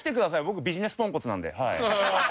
僕ビジネスポンコツなんで。